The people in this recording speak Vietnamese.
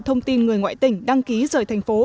thông tin người ngoại tỉnh đăng ký rời thành phố